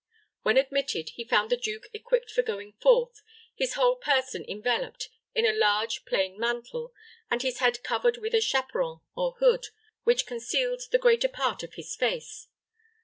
When admitted, he found the duke equipped for going forth, his whole person enveloped in a large, plain mantle, and his head covered with a chaperon or hood, which concealed the greater part of his face.